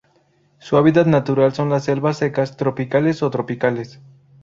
Se hábitat natural son las selvas secas, tropicales o tropicales.